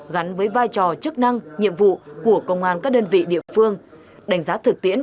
gắn với vai trò chức năng nhiệm vụ của công an các đơn vị địa phương đánh giá thực tiễn